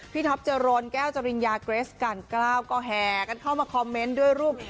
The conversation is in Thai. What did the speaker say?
ท็อปเจริญแก้วจริญญาเกรสการเกล้าก็แห่กันเข้ามาคอมเมนต์ด้วยรูป